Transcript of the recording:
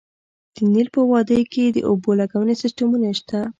د نیل په وادۍ کې د اوبو لګونې سیستمونه شته